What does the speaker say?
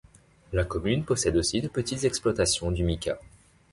La commune possède aussi de petites exploitations du mica.